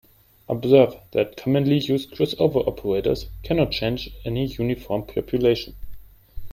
Observe that commonly used crossover operators cannot change any uniform population.